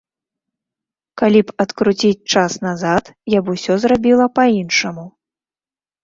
Калі б адкруціць час назад, я б усё зрабіла па-іншаму.